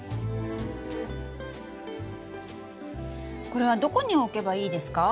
これはどこに置けばいいですか？